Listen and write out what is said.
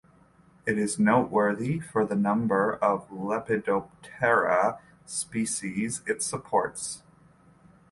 It is noteworthy for the number of Lepidoptera species it supports.